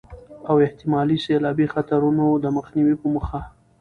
او احتمالي سيلابي خطرونو د مخنيوي په موخه